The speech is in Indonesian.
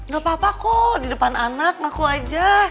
gak papa kok di depan anak ngaku aja